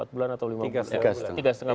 empat bulan atau lima bulan